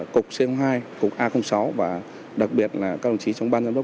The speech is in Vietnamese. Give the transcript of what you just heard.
cục c hai cục a sáu và đặc biệt là các đồng chí trong ban giám đốc